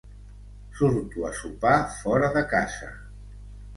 Surto a sopar fora de casa